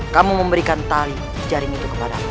kamu memberikan tali jaring itu kepada